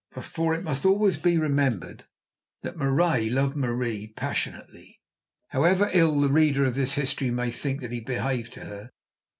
For it must always be remembered that Marais loved Marie passionately, however ill the reader of this history may think that he behaved to her.